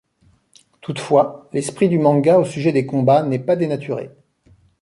Toutefois, l'esprit du manga au sujet des combats n'est pas dénaturé.